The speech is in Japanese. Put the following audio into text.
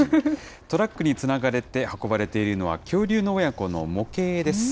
トラックにつながれて運ばれているのは、恐竜の親子の模型です。